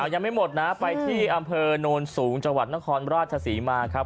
ยังไม่หมดนะไปที่อำเภอโนนสูงจังหวัดนครราชศรีมาครับ